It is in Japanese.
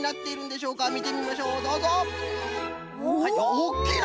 おおきいな！